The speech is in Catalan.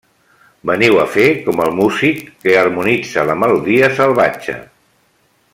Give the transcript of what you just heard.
Veniu a fer com el músic que harmonitza la melodia salvatge.